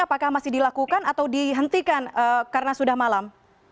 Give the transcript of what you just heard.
apakah masih dilakukan atau dihentikan karena sudah malam